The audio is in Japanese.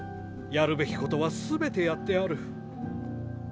やるべきことは全てやってある。